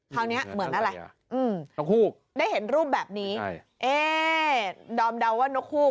คราวเนี้ยเหมือนอะไรอืมนกฮูกได้เห็นรูปแบบนี้ใช่เอ่ดอมเดาว่านกฮูก